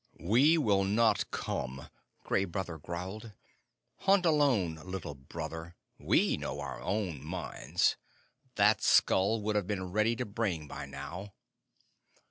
"We will not come," Gray Brother growled. "Hunt alone, Little Brother. We know our own minds. That skull would have been ready to bring by now."